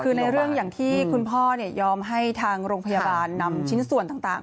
คือในเรื่องอย่างที่คุณพ่อยอมให้ทางโรงพยาบาลนำชิ้นส่วนต่าง